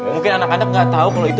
mungkin anak anak gak tau kalo itu